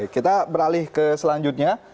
kita beralih ke selanjutnya